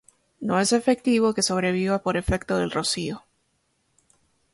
No es efectivo que sobreviva por efecto del rocío.